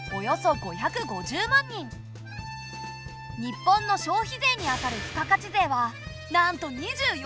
日本の消費税にあたる付加価値税はなんと２４％！